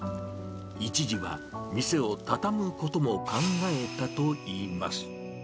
一時は、店を畳むことも考えたといいます。